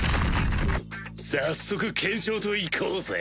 早速検証といこうぜ。